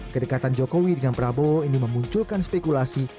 kedekatan jokowi dengan prabowo ini memunculkan spekulasi